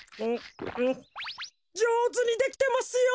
じょうずにできてますよ！